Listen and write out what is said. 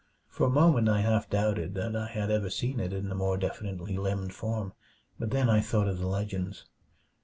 For a moment I half doubted that I had ever seen it in the more definitely limned form but then I thought of the legends.